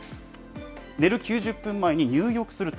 寝る９０分前に入浴すると。